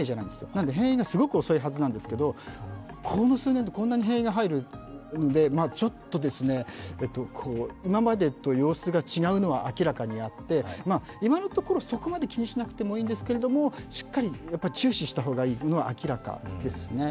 なので変異がすごく遅いはずなんですけれども、この数年で、こんなに変異が入るんで、ちょっと今までと様子が違うのは明らかにあって、今のところ、そこまで気にしなくてもいいんですけれども、しっかり、注視した方がいいのは明らかですね。